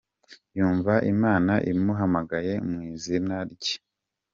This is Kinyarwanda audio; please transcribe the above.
Yumva Imana imuhamagaye mu izina rye.